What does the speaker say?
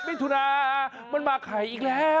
มิถุนามันมาไข่อีกแล้ว